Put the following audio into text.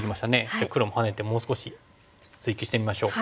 じゃあ黒もハネてもう少し追及してみましょう。